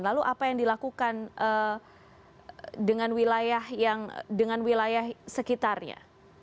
lalu apa yang dilakukan dengan wilayah sekitarnya